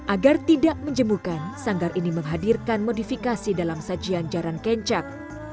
agar tidak menjemukan sanggar ini menghadirkan modifikasi dalam sajian jarang kencang